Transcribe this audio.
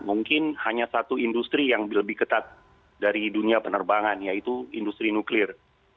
mungkin hanya satu industri yang lebih ketat dari dunia penerbangan yaitu industri nuklir